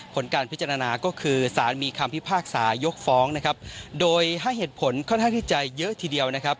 ผลการพิจารณาก็คือสารมีคำพิพากษายกฟ้องนะครับโดยให้เหตุผลค่อนข้างที่จะเยอะทีเดียวนะครับ